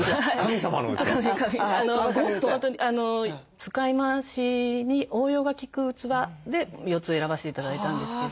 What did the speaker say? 使い回しに応用が利く器で４つ選ばして頂いたんですけど。